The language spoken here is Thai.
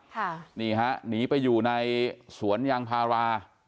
ค่ะนี่ฮะหนีไปอยู่ในสวนยางพารา